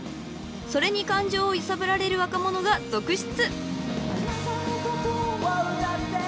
［それに感情を揺さぶられる若者が続出］